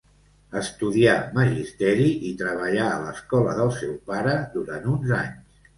Estudià magisteri i treballà a l'escola del seu pare durant uns anys.